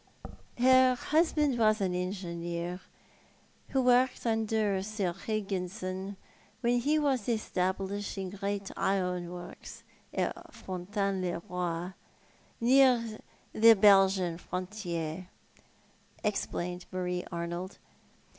" Her husband was an engineer, who worked nnder Sir Higginson when he was establishing great ironworks at Fon taine le roi, near the Belgian frontier," explained I\Iarie Arnold.